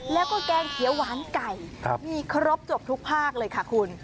แล้วก็แกงเขียวหวานไก่มีครบจบทุกภาคเลยค่ะคุณ